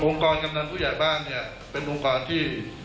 องค์กรกำหนังผู้ใหญ่บ้านเป็นองค์กรที่